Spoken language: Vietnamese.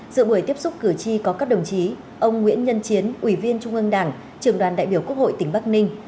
giữa buổi tiếp xúc cử tri có các đồng chí ông nguyễn nhân chiến ủy viên trung ương đảng trưởng đoàn đại biểu quốc hội tỉnh bắc ninh